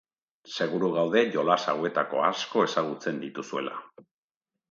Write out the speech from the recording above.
Seguru gaude jolas hauetako asko ezagutzen dituzuela.